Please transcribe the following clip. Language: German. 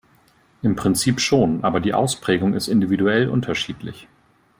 Im Prinzip schon, aber die Ausprägung ist individuell unterschiedlich.